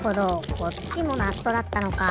こっちもナットだったのか。